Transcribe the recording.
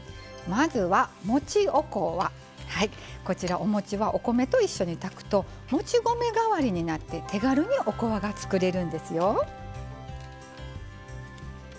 おもちはお米と一緒に炊くともち米がわりになって手軽におこわが作れるんですよ。